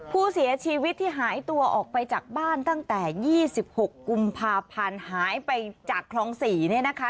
ผู้เสียชีวิตที่หายตัวออกไปจากบ้านตั้งแต่๒๖กุมภาพันธ์หายไปจากคลอง๔เนี่ยนะคะ